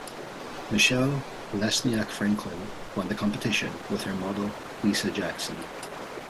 Michelle Lesniak Franklin won the competition with her model Lisa Jackson.